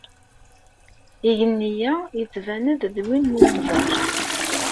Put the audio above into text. Igenni-a yettban-d d win n unẓar.